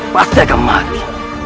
pasti akan mati